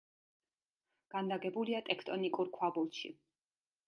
განლაგებულია ტექტონიკურ ქვაბულში.